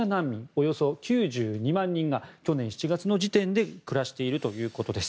およそ９２万人が去年７月の時点で暮らしているということです。